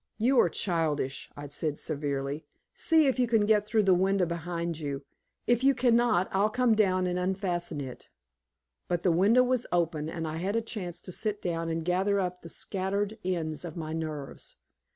"You are childish," I said severely. "See if you can get through the window behind you. If you can not, I'll come down and unfasten it." But the window was open, and I had a chance to sit down and gather up the scattered ends of my nerves.